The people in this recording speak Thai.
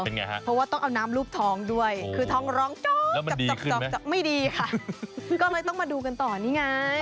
เพราะว่าต้องเอาน้ำลูบท้องด้วยคือท้องร้องไม่ดีค่ะก็ไม่ต้องมาดูกันต่อนี่ไง